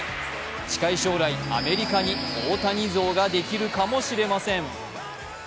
近い将来、アメリカに大谷像ができるかもしれません。